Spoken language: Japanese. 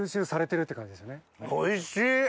おいしい！